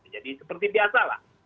jadi seperti biasa lah